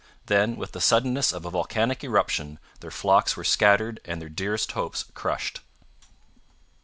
Then, with the suddenness of a volcanic eruption, their flocks were scattered and their dearest hopes crushed.